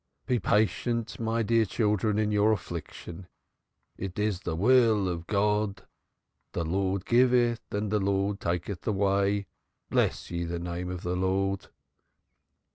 Be patient, my dear children, in your affliction. It is the will of God. The Lord giveth and the Lord taketh away bless ye the name of the Lord."